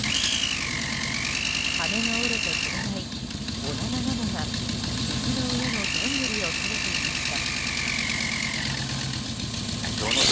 羽が折れて飛べないオナガガモが雪の上のドングリを食べていました。